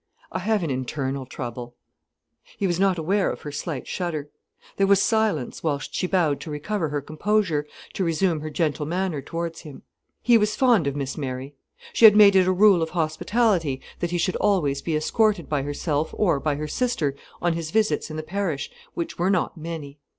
"I have an internal trouble." He was not aware of her slight shudder. There was silence, whilst she bowed to recover her composure, to resume her gentle manner towards him. He was fond of Miss Mary. She had made it a rule of hospitality that he should always be escorted by herself or by her sister on his visits in the parish, which were not many.